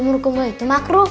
murku murku itu makruh pa